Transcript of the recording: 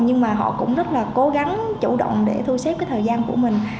nhưng mà họ cũng rất là cố gắng chủ động để thu xếp cái thời gian của mình